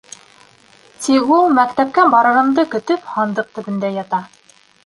Тик ул, мәктәпкә барырымды көтөп, һандыҡ төбөндә ята.